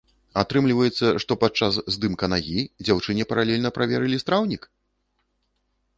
Атрымліваецца, што падчас здымка нагі дзяўчыне паралельна праверылі страўнік?!